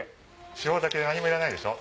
塩だけで何もいらないでしょ